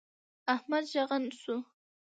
احمد ږغن شو.